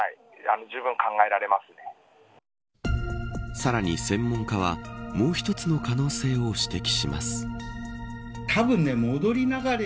さらに専門家はもう一つの可能性を指摘します。